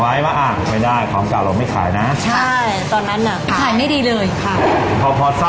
เพราะว่าถ้าลูกค้ามากินแล้วรู้ว่ามันเป็นของเก่า